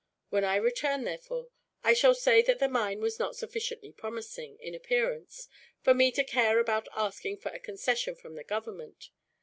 When I return, therefore, I shall say that the mine was not sufficiently promising, in appearance, for me to care about asking for a concession from the government.